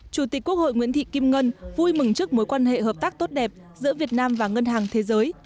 chủ tịch quốc hội nguyễn thị kim ngân vui mừng trước mối quan hệ hợp tác tốt đẹp giữa việt nam và ngân hàng thế giới